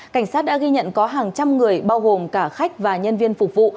cảnh sát đã ghi nhận có hàng trăm người bao gồm cả khách và nhân viên phục vụ